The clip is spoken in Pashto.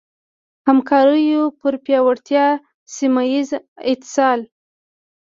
همکاریو پر پیاوړتیا ، سيمهييز اتصال